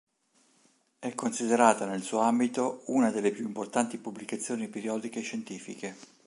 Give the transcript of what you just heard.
È considerata nel suo ambito una delle più importanti pubblicazioni periodiche scientifiche.